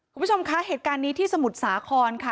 คุณผู้ชมคะเหตุการณ์นี้ที่สมุทรสาครค่ะ